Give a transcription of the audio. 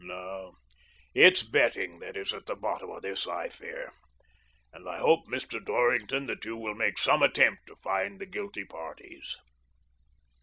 No, it's betting that is at the bottom of this, I fear. And I hope, Mr. Dorring ton, that you vsdll make some attempt to find the guilty parties."